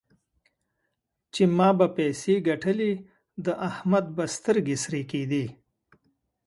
چې ما به پيسې ګټلې؛ د احمد به سترګې سرې کېدې.